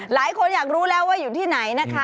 หลายคนอยากรู้แล้วว่าอยู่ที่ไหนนะคะ